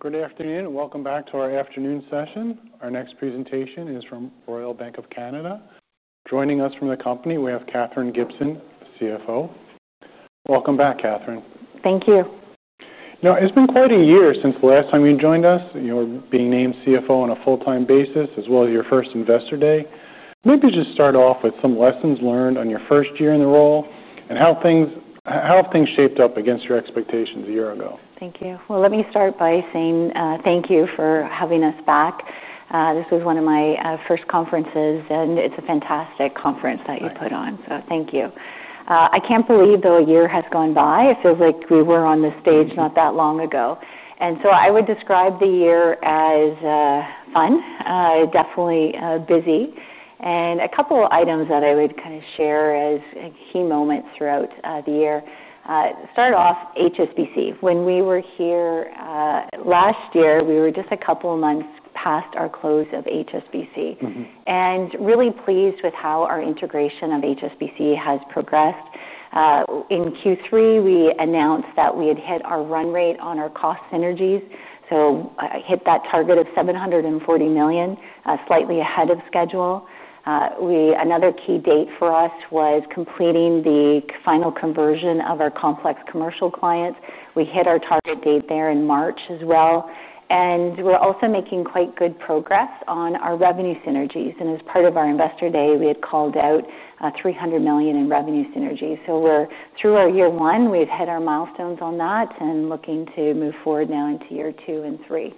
Good afternoon and welcome back to our afternoon session. Our next presentation is from Royal Bank of Canada. Joining us from the company, we have Katherine Gibson, the CFO. Welcome back, Katherine. Thank you. Now, it's been quite a year since the last time you joined us, you know, being named CFO on a full-time basis, as well as your first Investor Day. Maybe just start off with some lessons learned on your first year in the role and how things shaped up against your expectations a year ago. Thank you. Let me start by saying thank you for having us back. This was one of my first conferences, and it's a fantastic conference that you put on, so thank you. I can't believe a year has gone by. It feels like we were on this stage not that long ago. I would describe the year as fun, definitely busy. A couple of items that I would share as key moments throughout the year. Start off HSBC. When we were here last year, we were just a couple of months past our close of HSBC and really pleased with how our integration of HSBC has progressed. In Q3, we announced that we had hit our run rate on our cost synergies, so I hit that target of $740 million, slightly ahead of schedule. Another key date for us was completing the final conversion of our complex commercial clients. We hit our target date there in March as well. We're also making quite good progress on our revenue synergies. As part of our Investor Day, we had called out $300 million in revenue synergies. Through our year one, we've hit our milestones on that and looking to move forward now into year two and three.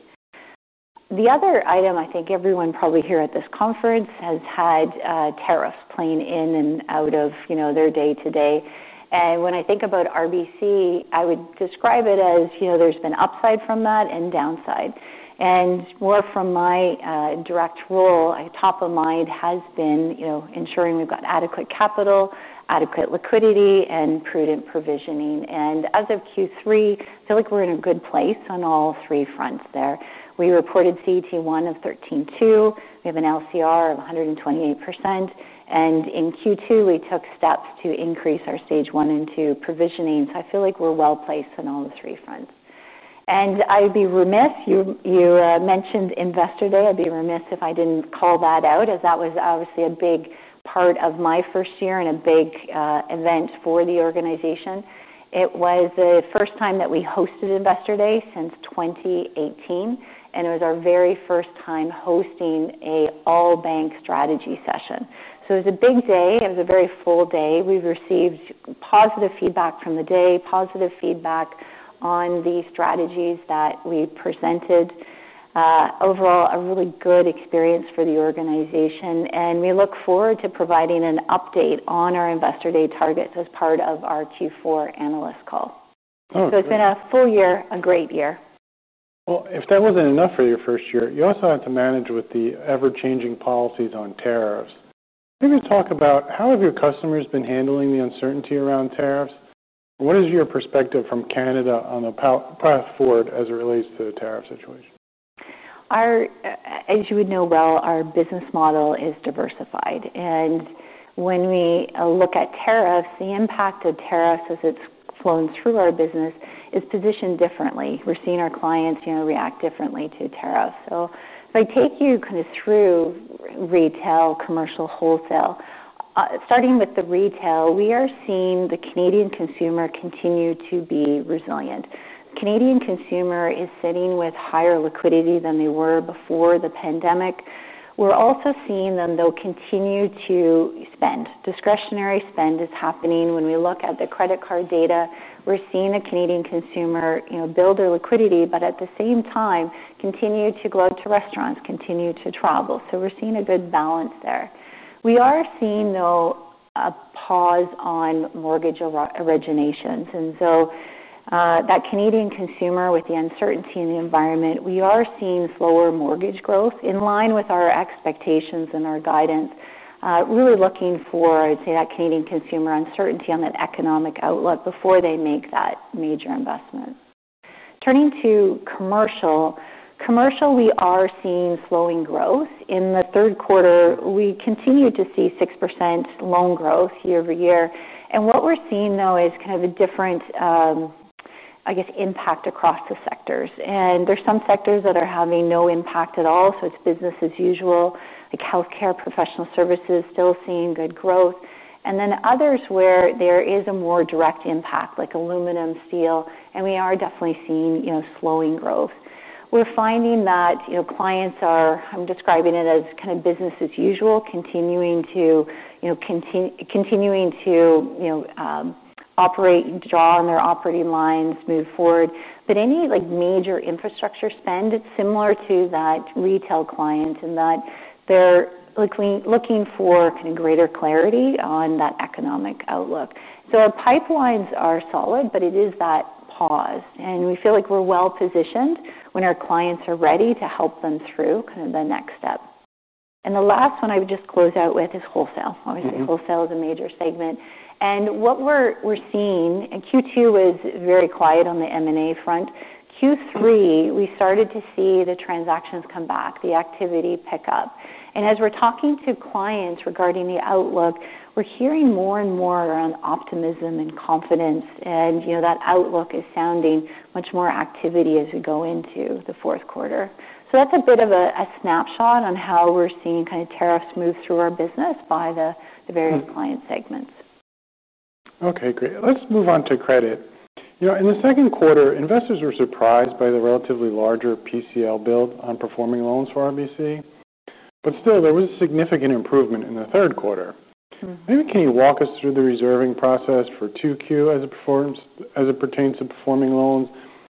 The other item I think everyone probably here at this conference has had tariffs playing in and out of their day-to-day. When I think about RBC, I would describe it as there's been upside from that and downside. From my direct role, top of mind has been ensuring we've got adequate capital, adequate liquidity, and prudent provisioning. As of Q3, I feel like we're in a good place on all three fronts there. We reported CET1 of 13.2%. We have an LCR of 128%. In Q2, we took steps to increase our stage one and two provisioning. I feel like we're well placed on all the three fronts. You mentioned Investor Day. I'd be remiss if I didn't call that out, as that was obviously a big part of my first year and a big event for the organization. It was the first time that we hosted Investor Day since 2018, and it was our very first time hosting an all-bank strategy session. It was a big day. It was a very full day. We've received positive feedback from the day, positive feedback on the strategies that we presented. Overall, a really good experience for the organization. We look forward to providing an update on our Investor Day targets as part of our Q4 analyst call. It's been a full year, a great year. If that wasn't enough for your first year, you also had to manage with the ever-changing policies on tariffs. Maybe talk about how have your customers been handling the uncertainty around tariffs? What is your perspective from Canada on the path forward as it relates to the tariff situation? As you would know well, our business model is diversified. When we look at tariffs, the impact of tariffs as it's flown through our business is positioned differently. We're seeing our clients react differently to tariffs. If I take you through retail, commercial, wholesale, starting with the retail, we are seeing the Canadian consumer continue to be resilient. The Canadian consumer is sitting with higher liquidity than they were before the pandemic. We're also seeing them continue to spend. Discretionary spend is happening. When we look at the credit card data, we're seeing the Canadian consumer build their liquidity, but at the same time, continue to go out to restaurants, continue to travel. We're seeing a good balance there. We are seeing a pause on mortgage originations. That Canadian consumer, with the uncertainty in the environment, we are seeing slower mortgage growth in line with our expectations and our guidance, really looking for, I'd say, that Canadian consumer uncertainty on that economic outlook before they make that major investment. Turning to commercial, we are seeing slowing growth. In the third quarter, we continue to see 6% loan growth year over year. What we're seeing is a different impact across the sectors. There are some sectors that are having no impact at all. It's business as usual, like healthcare, professional services, still seeing good growth. Then others where there is a more direct impact, like aluminum, steel, and we are definitely seeing slowing growth. We're finding that clients are, I'm describing it as business as usual, continuing to operate and draw on their operating lines, move forward. Any major infrastructure spend, it's similar to that retail client in that they're looking for greater clarity on that economic outlook. Our pipelines are solid, but it is that pause. We feel like we're well positioned when our clients are ready to help them through the next step. The last one I would just close out with is wholesale. Obviously, wholesale is a major segment. What we're seeing, and Q2 was very quiet on the M&A front, Q3, we started to see the transactions come back, the activity pick up. As we're talking to clients regarding the outlook, we're hearing more and more around optimism and confidence. That outlook is sounding much more activity as we go into the fourth quarter. That's a bit of a snapshot on how we're seeing tariffs move through our business by the various client segments. Okay, great. Let's move on to credit. In the second quarter, investors were surprised by the relatively larger PCL build on performing loans for RBC. There was a significant improvement in the third quarter. Maybe can you walk us through the reserving process for Q2 as it pertains to performing loans?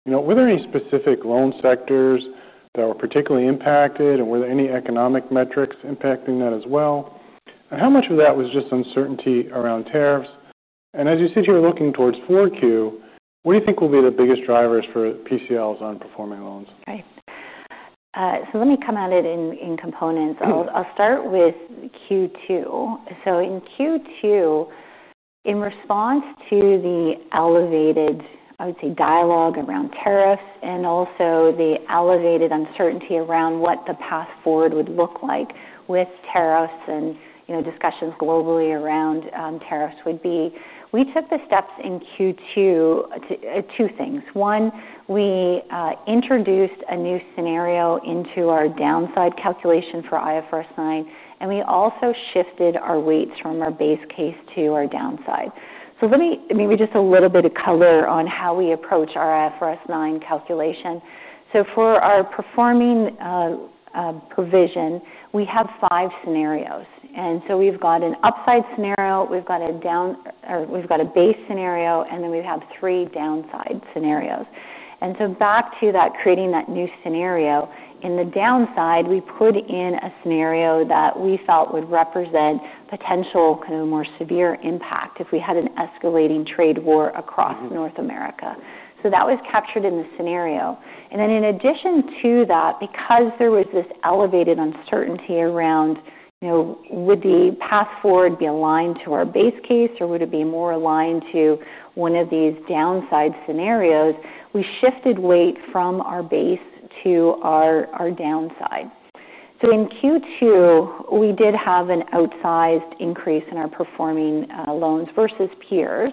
Were there any specific loan sectors that were particularly impacted? Were there any economic metrics impacting that as well? How much of that was just uncertainty around tariffs? As you sit here looking towards Q4, what do you think will be the biggest drivers for PCLs on performing loans? Nice. Let me come at it in components. I'll start with Q2. In Q2, in response to the elevated, I would say, dialogue around tariffs and also the elevated uncertainty around what the path forward would look like with tariffs and, you know, discussions globally around tariffs would be, we took the steps in Q2 to do two things. One, we introduced a new scenario into our downside calculation for IFRS 9, and we also shifted our weights from our base case to our downside. Let me give just a little bit of color on how we approach our IFRS 9 calculation. For our performing provision, we have five scenarios. We've got an upside scenario, we've got a base scenario, and then we have three downside scenarios. Back to that, creating that new scenario, in the downside, we put in a scenario that we felt would represent potential, kind of a more severe impact if we had an escalating trade war across North America. That was captured in the scenario. In addition to that, because there was this elevated uncertainty around, you know, would the path forward be aligned to our base case, or would it be more aligned to one of these downside scenarios, we shifted weight from our base to our downside. In Q2, we did have an outsized increase in our performing loans versus peers.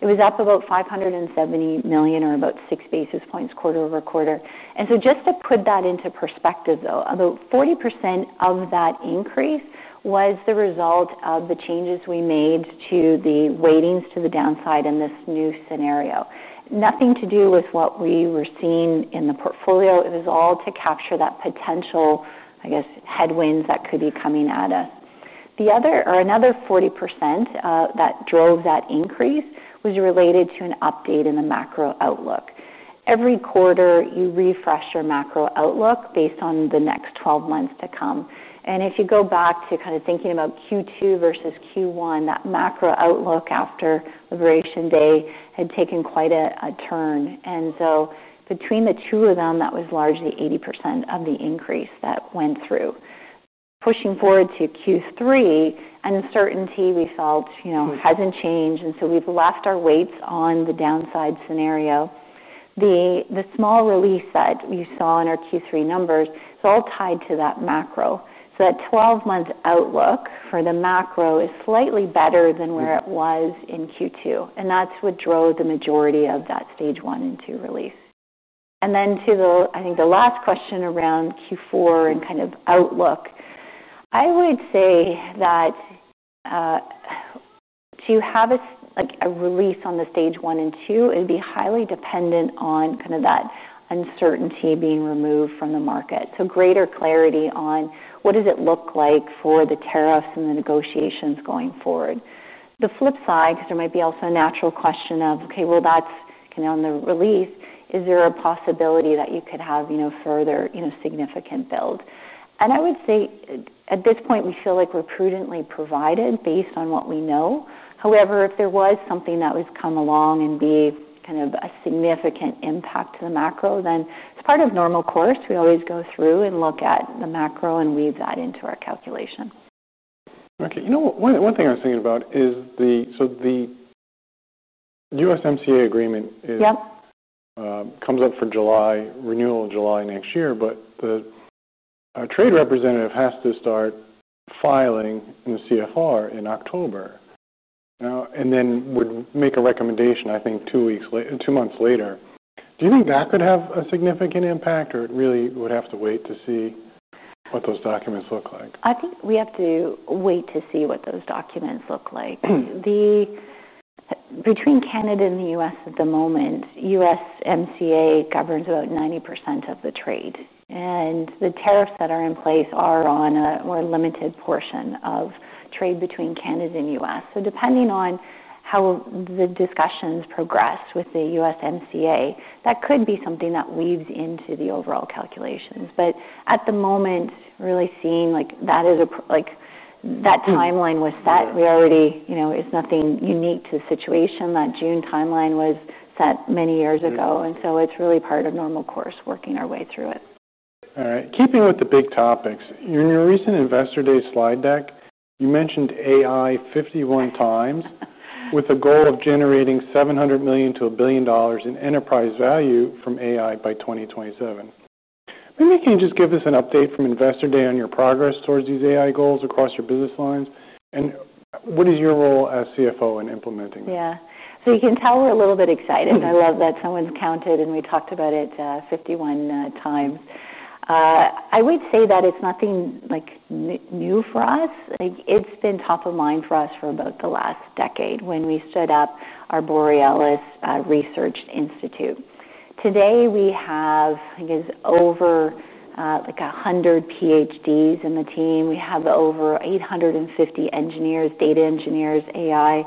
It was up about $570 million or about 6 basis points quarter over quarter. Just to put that into perspective, about 40% of that increase was the result of the changes we made to the weightings to the downside in this new scenario. Nothing to do with what we were seeing in the portfolio. It was all to capture that potential, I guess, headwinds that could be coming at us. Another 40% that drove that increase was related to an update in the macro outlook. Every quarter, you refresh your macro outlook based on the next 12 months to come. If you go back to kind of thinking about Q2 versus Q1, that macro outlook after Liberation Day had taken quite a turn. Between the two of them, that was largely 80% of the increase that went through. Pushing forward to Q3, uncertainty we felt, you know, hasn't changed. We've left our weights on the downside scenario. The small release that you saw in our Q3 numbers, it's all tied to that macro. That 12-month outlook for the macro is slightly better than where it was in Q2. That's what drove the majority of that stage one and two release. To the last question around Q4 and outlook, I would say that to have a release on the stage one and two, it would be highly dependent on that uncertainty being removed from the market. Greater clarity on what it looks like for the tariffs and the negotiations going forward is needed. The flip side, because there might be also a natural question of, okay, that's on the release, is there a possibility that you could have further significant build? I would say at this point, we feel like we're prudently provided based on what we know. However, if there was something that would come along and be a significant impact to the macro, then it's part of normal course. We always go through and look at the macro and weave that into our calculation. One thing I was thinking about is the USMCA agreement comes up for renewal in July next year, but the trade representative has to start filing in the CFR in October. Now, and then would make a recommendation, I think, two weeks later, two months later. Do you think that could have a significant impact, or it really would have to wait to see what those documents look like? I think we have to wait to see what those documents look like. Between Canada and the U.S. at the moment, USMCA governs about 90% of the trade, and the tariffs that are in place are on a more limited portion of trade between Canada and the U.S. Depending on how the discussions progress with the USMCA, that could be something that weaves into the overall calculations. At the moment, really seeing like that timeline was set. We already, you know, it's nothing unique to the situation. That June timeline was set many years ago, and it's really part of normal course working our way through it. All right. Keeping with the big topics, in your recent Investor Day slide deck, you mentioned AI 51 times with a goal of generating $700 million to $1 billion in enterprise value from AI by 2027. Maybe can you just give us an update from Investor Day on your progress towards these AI goals across your business lines? What is your role as CFO in implementing? Yeah. You can tell we're a little bit excited. I love that someone's counted and we talked about it 51 times. I would say that it's nothing new for us. It's been top of mind for us for about the last decade when we stood up our Borealis Research Institute. Today we have, I guess, over 100 PhDs in the team. We have over 850 engineers, data engineers, AI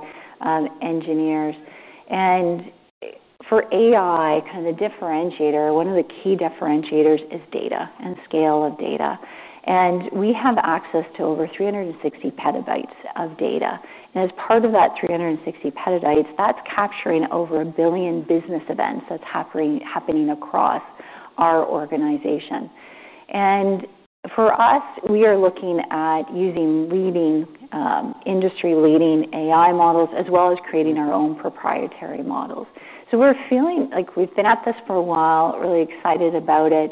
engineers. For AI, kind of the differentiator, one of the key differentiators is data and scale of data. We have access to over 360 petabytes of data. As part of that 360 petabytes, that's capturing over a billion business events that's happening across our organization. For us, we are looking at using leading industry-leading AI models as well as creating our own proprietary models. We're feeling like we've been at this for a while, really excited about it.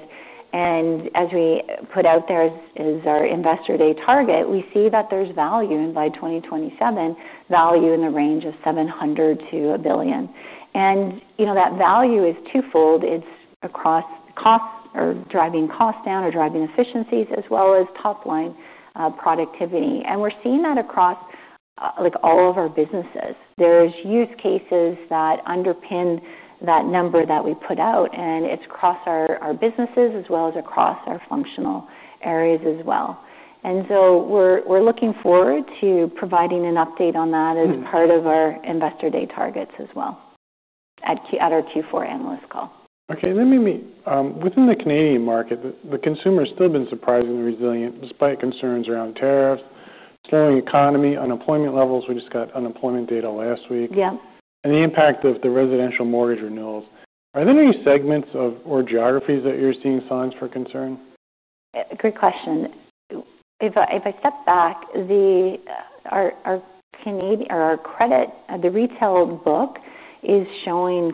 As we put out there as our Investor Day target, we see that there's value, and by 2027, value in the range of $700 million to $1 billion. You know that value is twofold. It's across costs or driving costs down or driving efficiencies as well as top-line productivity. We're seeing that across all of our businesses. There are use cases that underpin that number that we put out, and it's across our businesses as well as across our functional areas as well. We're looking forward to providing an update on that as part of our Investor Day targets as well at our Q4 analyst call. Okay. Let me meet within the Canadian market. The consumer has still been surprisingly resilient despite concerns around tariffs, scaring the economy, unemployment levels. We just got unemployment data last week. Yeah. is the impact of the residential mortgage renewals? Are there any segments or geographies that you're seeing signs for concern? Good question. If I step back, our credit, the retail book is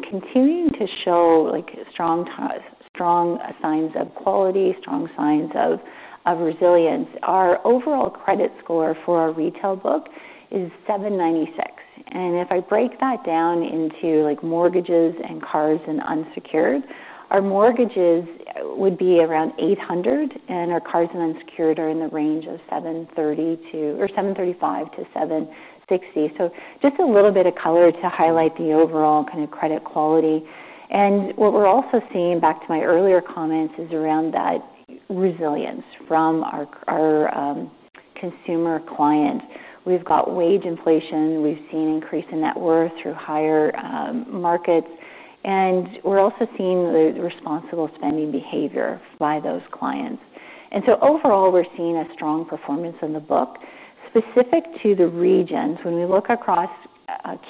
continuing to show strong signs of quality, strong signs of resilience. Our overall credit score for our retail book is 796. If I break that down into mortgages and cars and unsecured, our mortgages would be around 800, and our cars and unsecured are in the range of 735 to 760. Just a little bit of color to highlight the overall kind of credit quality. What we're also seeing, back to my earlier comments, is around that resilience from our consumer clients. We've got wage inflation. We've seen increase in net worth through higher markets. We're also seeing the responsible spending behavior by those clients. Overall, we're seeing a strong performance in the book. Specific to the regions, when we look across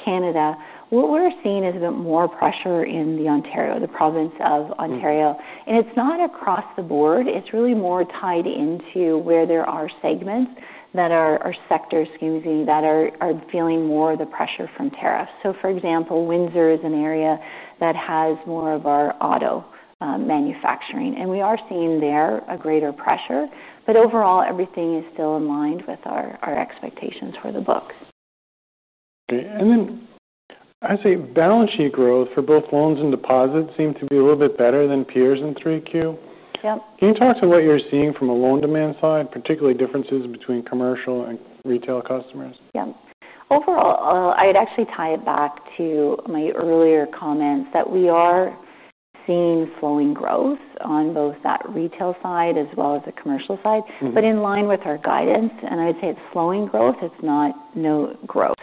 Canada, what we're seeing is a bit more pressure in the province of Ontario. It's not across the board. It's really more tied into where there are segments that are sectors, excuse me, that are feeling more the pressure from tariffs. For example, Windsor is an area that has more of our auto manufacturing. We are seeing there a greater pressure. Overall, everything is still aligned with our expectations for the books. I'd say balance sheet growth for both loans and deposits seemed to be a little bit better than peers in 3Q. Yep. Can you talk to what you're seeing from a loan demand side, particularly differences between commercial and retail customers? Overall, I'd actually tie it back to my earlier comments that we are seeing slowing growth on both that retail side as well as the commercial side. In line with our guidance, I would say it's slowing growth. It's not no growth.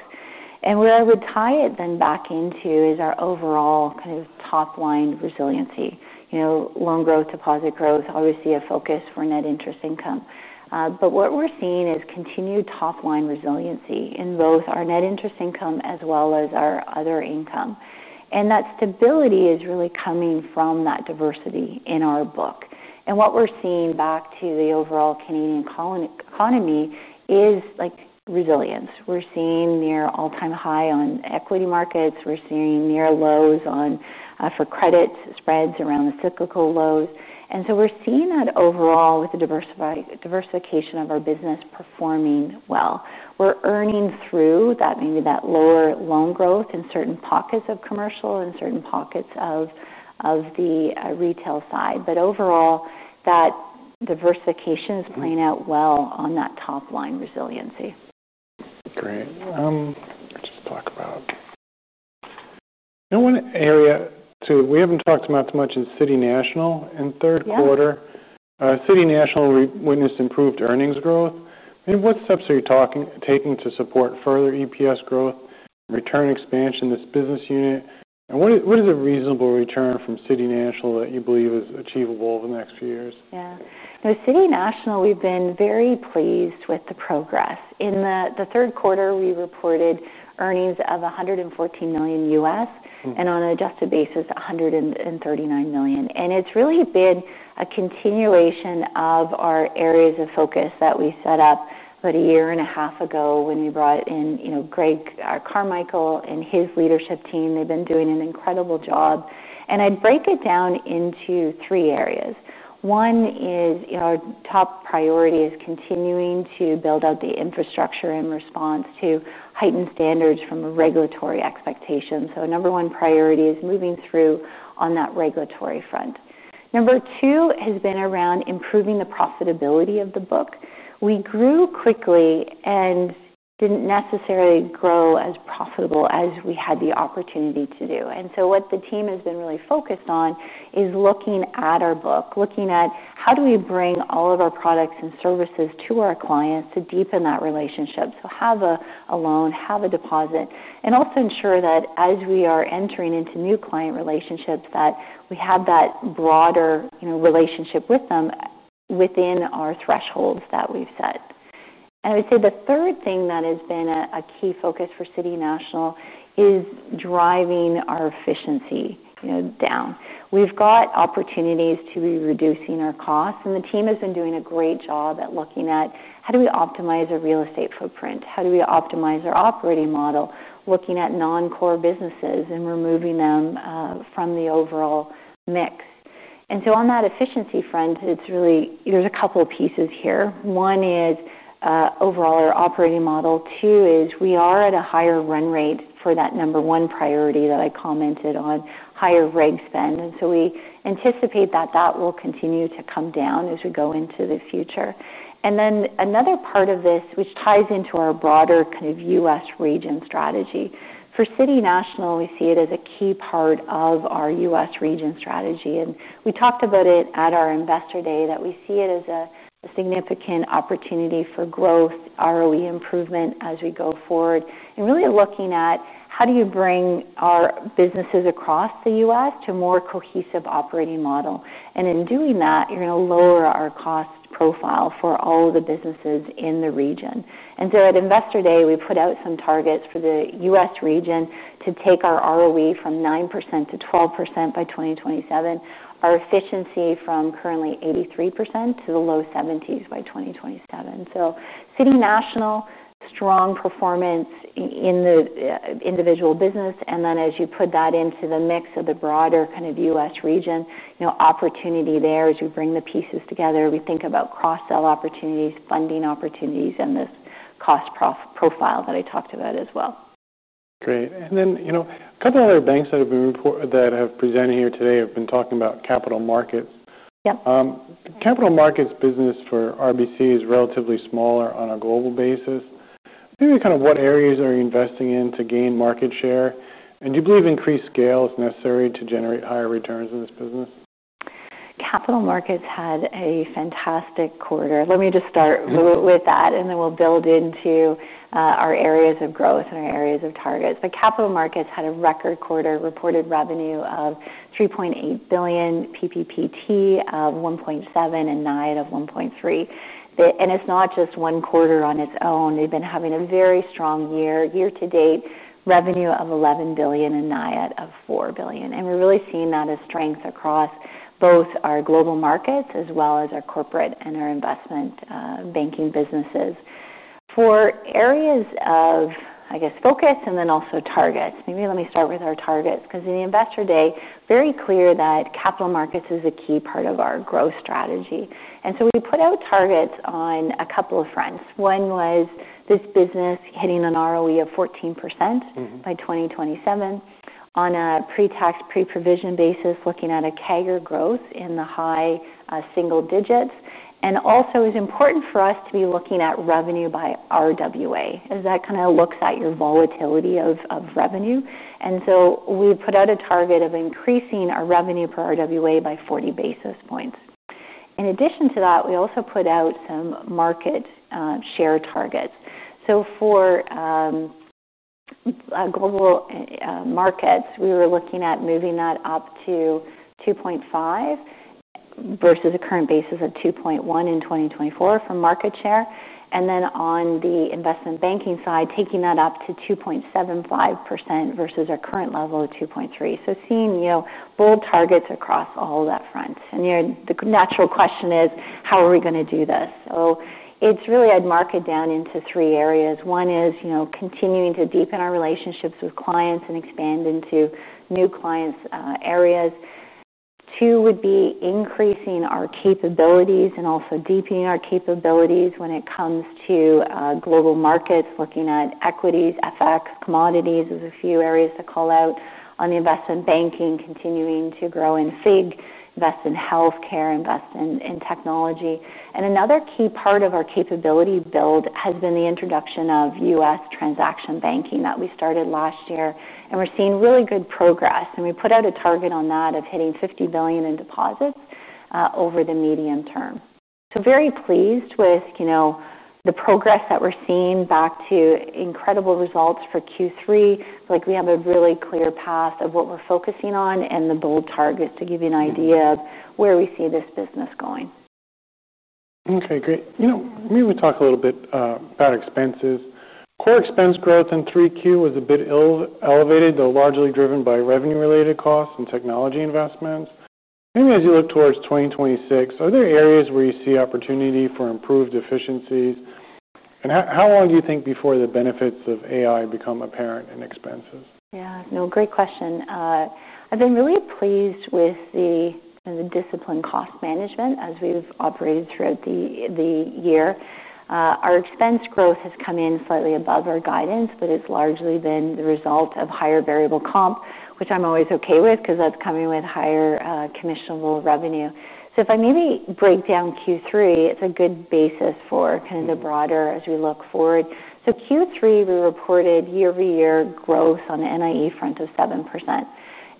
Where I would tie it then back into is our overall kind of top-line resiliency. You know, loan growth, deposit growth, obviously a focus for net interest income. What we're seeing is continued top-line resiliency in both our net interest income as well as our other income. That stability is really coming from that diversity in our book. What we're seeing back to the overall Canadian economy is like resilience. We're seeing near all-time high on equity markets. We're seeing near lows for credit spreads around the cyclical lows. We're seeing that overall with the diversification of our business performing well. We're earning through that, maybe that lower loan growth in certain pockets of commercial and certain pockets of the retail side. Overall, that diversification is playing out well on that top-line resiliency. Great. Let's just talk about, you know, one area too, we haven't talked about too much in City National in third quarter. City National witnessed improved earnings growth. What steps are you taking to support further EPS growth, return expansion in this business unit? What is a reasonable return from City National that you believe is achievable over the next few years? Yeah. City National, we've been very pleased with the progress. In the third quarter, we reported earnings of $114 million U.S. and on an adjusted basis, $139 million. It's really been a continuation of our areas of focus that we set up about a year and a half ago when we brought in Greg Carmichael and his leadership team. They've been doing an incredible job. I'd break it down into three areas. One is, our top priority is continuing to build out the infrastructure in response to heightened standards from a regulatory expectation. Number one priority is moving through on that regulatory front. Number two has been around improving the profitability of the book. We grew quickly and didn't necessarily grow as profitably as we had the opportunity to do. What the team has been really focused on is looking at our book, looking at how do we bring all of our products and services to our clients to deepen that relationship. Have a loan, have a deposit, and also ensure that as we are entering into new client relationships, we have that broader relationship with them within our thresholds that we've set. The third thing that has been a key focus for City National is driving our efficiency down. We've got opportunities to be reducing our costs, and the team has been doing a great job at looking at how do we optimize our real estate footprint, how do we optimize our operating model, looking at non-core businesses and removing them from the overall mix. On that efficiency front, there are a couple of pieces here. One is overall our operating model. Two is we are at a higher run rate for that number one priority that I commented on, higher reg spend. We anticipate that will continue to come down as we go into the future. Another part of this, which ties into our broader kind of U.S. region strategy. For City National, we see it as a key part of our U.S. region strategy. We talked about it at our Investor Day that we see it as a significant opportunity for growth, ROE improvement as we go forward. Really looking at how do you bring our businesses across the U.S. to a more cohesive operating model. In doing that, you're going to lower our cost profile for all of the businesses in the region. At Investor Day, we put out some targets for the U.S. region to take our ROE from 9% to 12% by 2027, our efficiency from currently 83% to the low 70s by 2027. City National, strong performance in the individual business. As you put that into the mix of the broader kind of US region, you know, opportunity there as you bring the pieces together. We think about cross-sell opportunities, funding opportunities, and this cost profile that I talked about as well. Great. A couple of other banks that have been presenting here today have been talking about Capital Markets. Yep. Capital Markets business for RBC is relatively smaller on a global basis. Maybe kind of what areas are you investing in to gain market share? Do you believe increased scale is necessary to generate higher returns in this business? Capital Markets had a fantastic quarter. Let me just start with that, and then we'll build into our areas of growth and our areas of targets. Capital Markets had a record quarter, reported revenue of $3.8 billion, PPPT of $1.7 billion, and NIAT of $1.3 billion. It's not just one quarter on its own. They've been having a very strong year, year to date, revenue of $11 billion and NIAT of $4 billion. We're really seeing that as strength across both our Global Markets as well as our Corporate and our Investment Banking businesses. For areas of focus and also targets, maybe let me start with our targets because in the Investor Day, it was very clear that Capital Markets is a key part of our growth strategy. We put out targets on a couple of fronts. One was this business hitting an ROE of 14% by 2027 on a pre-tax, pre-provision basis, looking at a CAGR growth in the high single digits. It was also important for us to be looking at revenue by RWA, as that kind of looks at your volatility of revenue. We put out a target of increasing our revenue per RWA by 40 basis points. In addition to that, we also put out some market share targets. For Global Markets, we were looking at moving that up to 2.5% versus a current basis of 2.1% in 2024 for market share. On the Investment Banking side, taking that up to 2.75% versus our current level of 2.3%. Seeing bold targets across all of that front. The natural question is, how are we going to do this? It's really, I'd mark it down into three areas. One is continuing to deepen our relationships with clients and expand into new clients' areas. Two would be increasing our capabilities and also deepening our capabilities when it comes to Global Markets, looking at equities, FX, commodities. There are a few areas to call out on the Investment Banking, continuing to grow in FIG, invest in healthcare, invest in technology. Another key part of our capability build has been the introduction of U.S. transaction banking that we started last year. We're seeing really good progress. We put out a target on that of hitting $50 billion in deposits over the medium term. Very pleased with the progress that we're seeing back to incredible results for Q3. We have a really clear path of what we're focusing on and the bold targets to give you an idea of where we see this business going. Okay, great. You know, maybe we talk a little bit about expenses. Quarter expense growth in 3Q was a bit elevated, though largely driven by revenue-related costs and technology investments. Maybe as you look towards 2026, are there areas where you see opportunity for improved efficiencies? How long do you think before the benefits of AI become apparent in expenses? Yeah, no, great question. I've been really pleased with the kind of the discipline cost management as we've operated throughout the year. Our expense growth has come in slightly above our guidance, but it's largely been the result of higher variable comp, which I'm always okay with because that's coming with higher commissionable revenue. If I maybe break down Q3, it's a good basis for kind of the broader as we look forward. Q3, we reported year-over-year growth on the NIE front of 7%.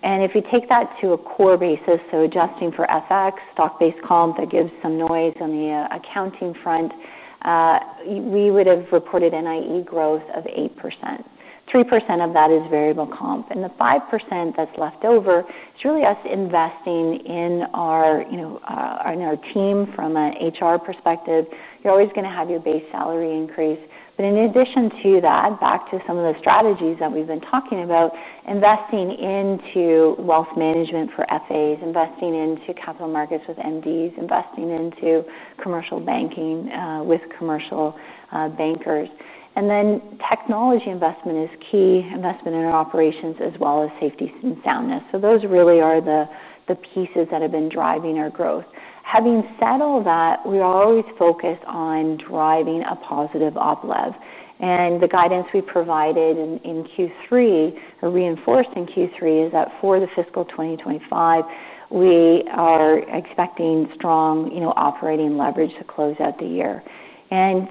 If we take that to a core basis, adjusting for FX, stock-based comp that gives some noise on the accounting front, we would have reported NIE growth of 8%. 3% of that is variable comp, and the 5% that's left over is really us investing in our team from an HR perspective. You're always going to have your base salary increase. In addition to that, back to some of the strategies that we've been talking about, investing into Wealth Management for FAs, investing into Capital Markets with MDs, investing into Commercial Banking with commercial bankers. Technology investment is key, investment in our operations as well as safety and soundness. Those really are the pieces that have been driving our growth. Having said all that, we are always focused on driving a positive upleve. The guidance we provided in Q3, reinforced in Q3, is that for the fiscal 2025, we are expecting strong operating leverage to close out the year.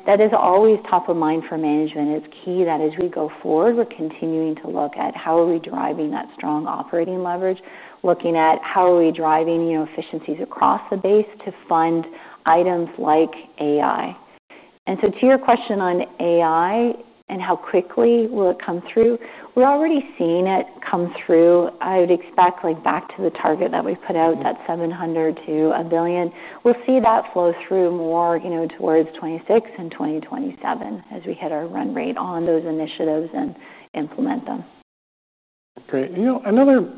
That is always top of mind for management. It's key that as we go forward, we're continuing to look at how are we driving that strong operating leverage, looking at how are we driving efficiencies across the base to fund items like AI. To your question on AI and how quickly will it come through, we're already seeing it come through. I would expect back to the target that we put out, that $700 million to $1 billion, we'll see that flow through more towards 2026 and 2027 as we hit our run rate on those initiatives and implement them. Okay. You know, another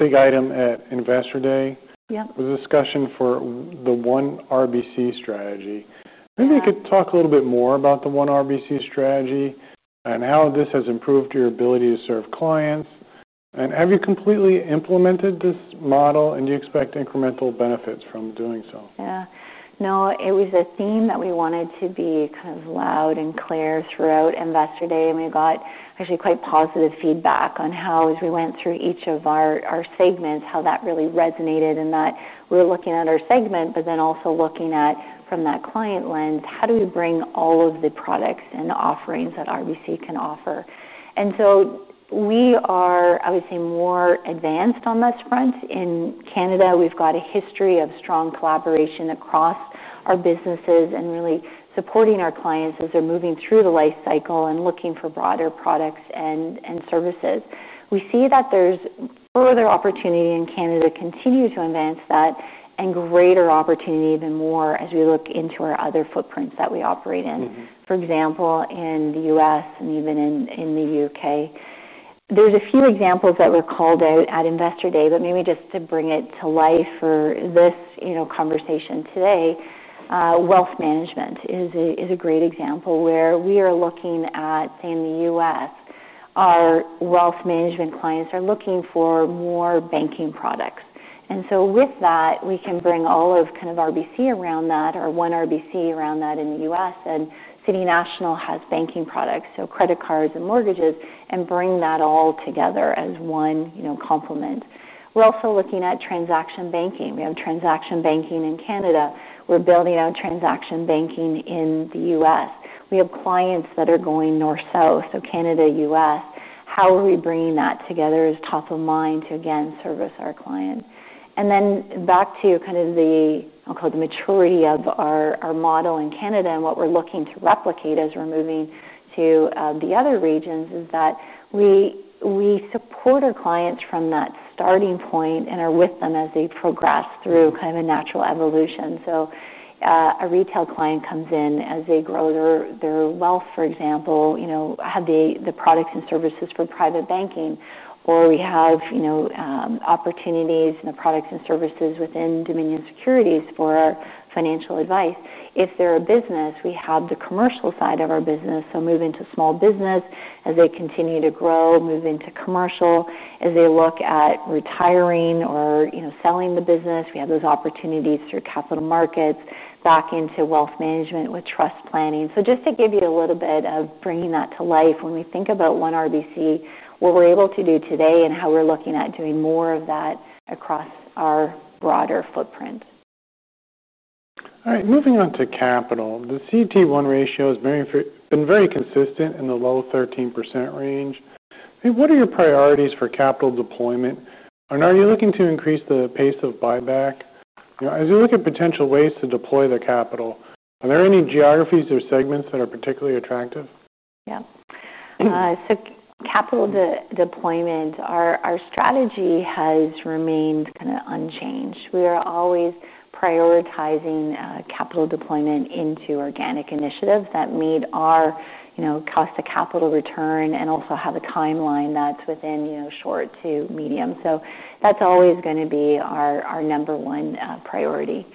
big item at Investor Day was a discussion for the One RBC strategy. Maybe you could talk a little bit more about the One RBC strategy and how this has improved your ability to serve clients. Have you completely implemented this model, and do you expect incremental benefits from doing so? Yeah. No, it was a theme that we wanted to be kind of loud and clear throughout Investor Day. We got actually quite positive feedback on how, as we went through each of our segments, how that really resonated and that we're looking at our segment, but then also looking at from that client lens, how do we bring all of the products and offerings that Royal Bank of Canada can offer. We are, I would say, more advanced on that front. In Canada, we've got a history of strong collaboration across our businesses and really supporting our clients as they're moving through the lifecycle and looking for broader products and services. We see that there's further opportunity in Canada to continue to advance that and greater opportunity even more as we look into our other footprints that we operate in. For example, in the U.S. and even in the UK, there's a few examples that were called out at Investor Day, but maybe just to bring it to life for this conversation today, Wealth Management is a great example where we are looking at, say, in the U.S., our Wealth Management clients are looking for more banking products. With that, we can bring all of kind of Royal Bank of Canada around that, our One RBC around that in the U.S., and City National Bank has banking products, so credit cards and mortgages, and bring that all together as one complement. We're also looking at transaction banking. We have transaction banking in Canada. We're building out transaction banking in the U.S. We have clients that are going North-South, so Canada, U.S. How are we bringing that together as top of mind to, again, service our client? Back to the maturity of our model in Canada and what we're looking to replicate as we're moving to the other regions is that we support our clients from that starting point and are with them as they progress through kind of a natural evolution. A retail client comes in as they grow their wealth, for example, have the products and services for private banking, or we have opportunities and the products and services within Dominion Securities for our financial advice. If they're a business, we have the commercial side of our business. Moving to small business as they continue to grow, moving to commercial as they look at retiring or selling the business. We have those opportunities through Capital Markets, back into Wealth Management with trust planning. Just to give you a little bit of bringing that to life, when we think about One RBC, what we're able to do today and how we're looking at doing more of that across our broader footprint. All right. Moving on to capital, the CET1 ratio has been very consistent in the low 13% range. What are your priorities for capital deployment? Are you looking to increase the pace of buyback? As you look at potential ways to deploy the capital, are there any geographies or segments that are particularly attractive? Yeah. Capital deployment, our strategy has remained kind of unchanged. We are always prioritizing capital deployment into organic initiatives that meet our, you know, cost of capital return and also have a timeline that's within, you know, short to medium. That's always going to be our number one priority.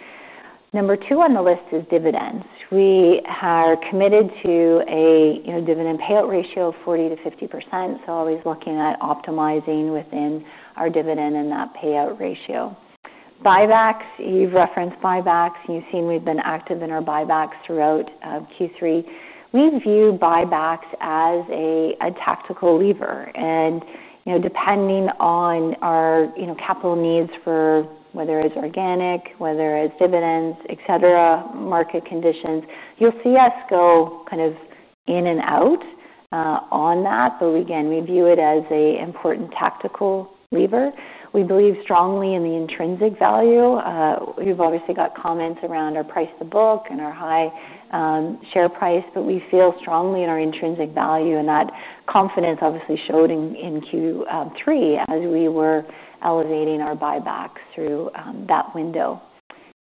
Number two on the list is dividends. We are committed to a, you know, dividend payout ratio of 40 to 50%. Always looking at optimizing within our dividend and that payout ratio. Buybacks, you've referenced buybacks. You've seen we've been active in our buybacks throughout Q3. We view buybacks as a tactical lever, and, you know, depending on our, you know, capital needs for whether it's organic, whether it's dividends, etc., market conditions, you'll see us go kind of in and out on that. We view it as an important tactical lever. We believe strongly in the intrinsic value. We've obviously got comments around our price to book and our high share price, but we feel strongly in our intrinsic value. That confidence obviously showed in Q3 as we were elevating our buybacks through that window.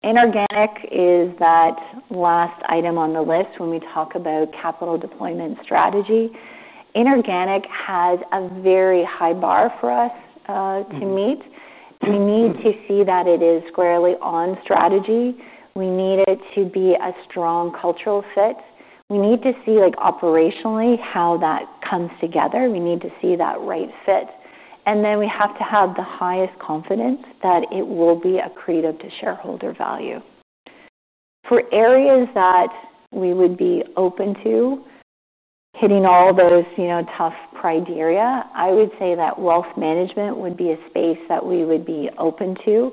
Inorganic is that last item on the list when we talk about capital deployment strategy. Inorganic has a very high bar for us to meet. We need to see that it is squarely on strategy. We need it to be a strong cultural fit. We need to see, like, operationally how that comes together. We need to see that right fit. We have to have the highest confidence that it will be accretive to shareholder value. For areas that we would be open to hitting all those, you know, tough criteria, I would say that Wealth Management would be a space that we would be open to.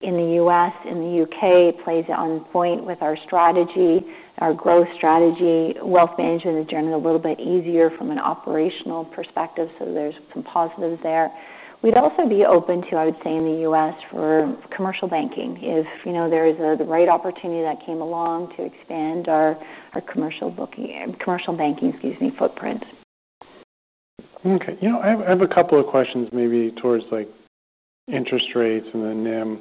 In the U.S., in the UK, it plays on point with our strategy, our growth strategy. Wealth Management is generally a little bit easier from an operational perspective, so there's some positives there. We'd also be open to, I would say, in the U.S. for Commercial Banking if, you know, there is the right opportunity that came along to expand our commercial banking footprint. Okay. I have a couple of questions maybe towards interest rates and the NIM.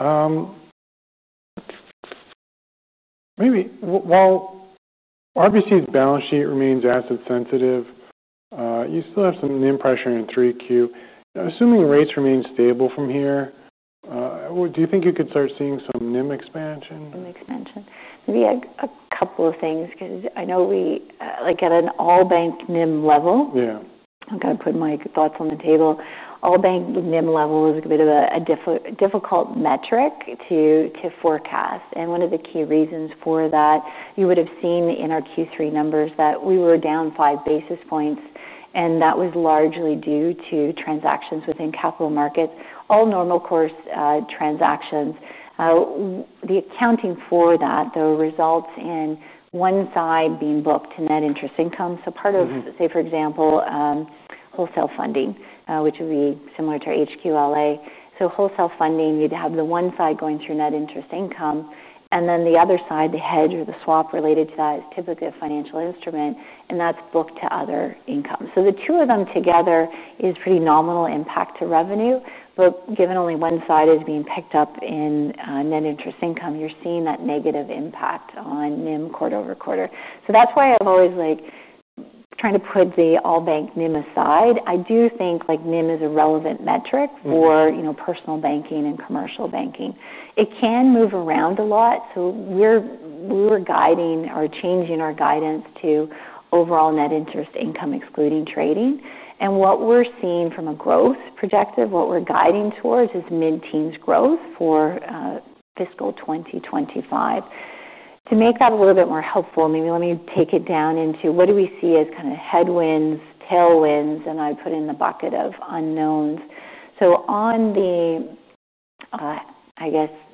Maybe while RBC's balance sheet remains asset sensitive, you still have some NIM pressure in 3Q. Assuming rates remain stable from here, do you think you could start seeing some NIM expansion? NIM expansion. Maybe a couple of things because I know we look at an all-bank NIM level. Yeah. I've got to put my thoughts on the table. All-bank NIM level is a bit of a difficult metric to forecast. One of the key reasons for that, you would have seen in our Q3 numbers that we were down 5 basis points. That was largely due to transactions within Capital Markets, all normal course transactions. The accounting for that, though, results in one side being booked to net interest income. Part of, say, for example, wholesale funding, which would be similar to our HQLA. Wholesale funding, you'd have the one side going through net interest income. The other side, the hedge or the swap related to that, is typically a financial instrument. That's booked to other income. The two of them together is pretty nominal impact to revenue. Given only one side is being picked up in net interest income, you're seeing that negative impact on NIM quarter over quarter. That's why I've always liked trying to put the all-bank NIM aside. I do think NIM is a relevant metric for, you know, Personal Banking and Commercial Banking. It can move around a lot. We were guiding or changing our guidance to overall net interest income, excluding trading. What we're seeing from a growth projective, what we're guiding towards is mid-teens growth for fiscal 2025. To make that a little bit more helpful, maybe let me take it down into what do we see as kind of headwinds, tailwinds, and I put in the bucket of unknowns. On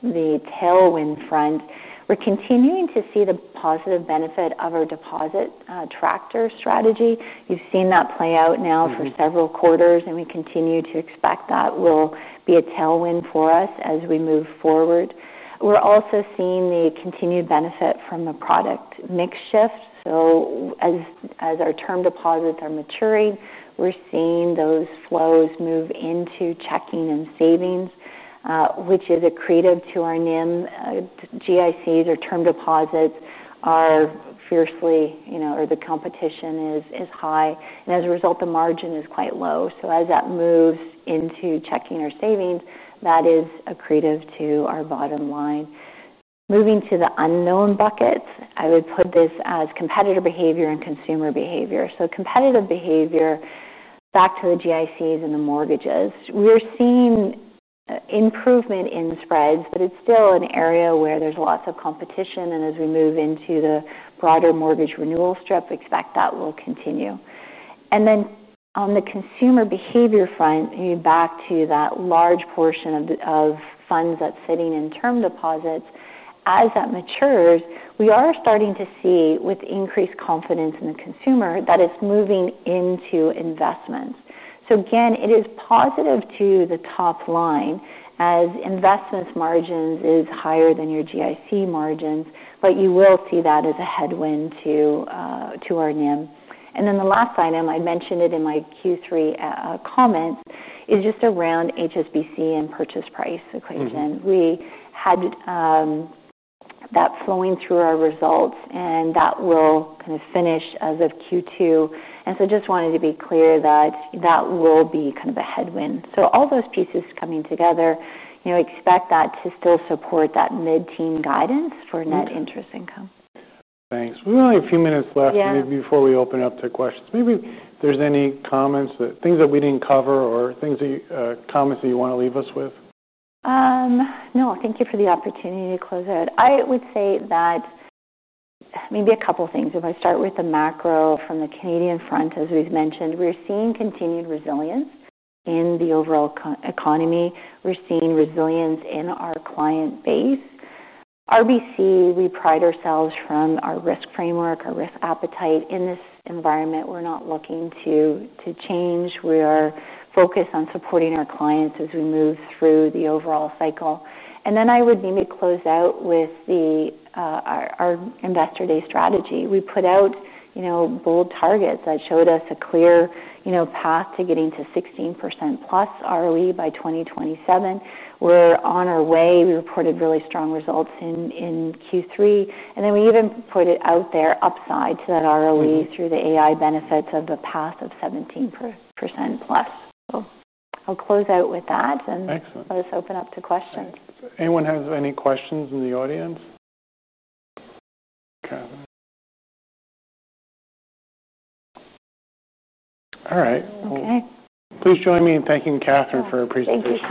the tailwind front, we're continuing to see the positive benefit of our deposit tractor strategy. You've seen that play out now for several quarters, and we continue to expect that will be a tailwind for us as we move forward. We're also seeing the continued benefit from the product mix shift. As our term deposits are maturing, we're seeing those flows move into checking and savings, which is accretive to our NIM. GICs or term deposits are fiercely, you know, or the competition is high. As a result, the margin is quite low. As that moves into checking or savings, that is accretive to our bottom line. Moving to the unknown buckets, I would put this as competitor behavior and consumer behavior. Competitive behavior, back to the GICs and the mortgages. We're seeing improvement in spreads, but it's still an area where there's lots of competition. As we move into the broader mortgage renewal strip, we expect that will continue. On the consumer behavior front, back to that large portion of funds that's sitting in term deposits, as that matures, we are starting to see with increased confidence in the consumer that it's moving into investments. It is positive to the top line as investments margins are higher than your GIC margins, but you will see that as a headwind to our NIM. The last item, I mentioned it in my Q3 comments, is just around HSBC and purchase price. Katherine, we had that flowing through our results, and that will kind of finish as of Q2. I just wanted to be clear that that will be kind of a headwind. All those pieces coming together, expect that to still support that mid-teen guidance for net interest income. Thanks. We only have a few minutes left before we open up to questions. Maybe if there's any comments, things that we didn't cover or things that you want to leave us with? No, thank you for the opportunity to close it. I would say that maybe a couple of things. If I start with the macro from the Canadian front, as we've mentioned, we're seeing continued resilience in the overall economy. We're seeing resilience in our client base. RBC, we pride ourselves on our risk framework, our risk appetite. In this environment, we're not looking to change. We are focused on supporting our clients as we move through the overall cycle. I would maybe close out with our Investor Day strategy. We put out bold targets that showed us a clear path to getting to 16%+ ROE by 2027. We're on our way. We reported really strong results in Q3. We even put it out there, upside to that ROE through the AI benefits of the path of 17%+. I'll close out with that and let us open up to questions. Anyone has any questions in the audience? Okay. All right. Okay, please join me in thanking Katherine Gibson for her presentation. Thanks.